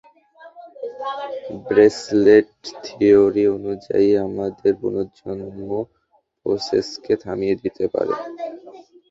Bracelet, theory অনুযায়ী, আমাদের পুণর্জন্ম প্রোসেসকে থামিয়ে দিতে পারে।